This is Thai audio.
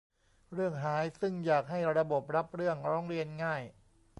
เรื่องหาย ซึ่งอยากให้ระบบรับเรื่องร้องเรียนง่าย